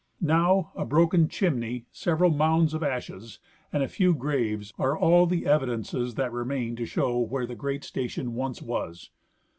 Now a broken chim ney, several mounds of ashes, and a few graves are all the evi dences that remain to show where the great station once was.